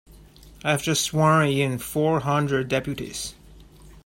I've just sworn in four hundred deputies.